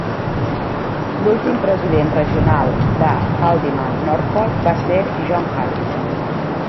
L'últim president regional de Haldimand-Norfolk va ser John Harrison.